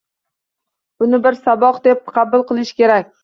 Buni bir saboq deb qabul qilish kerak.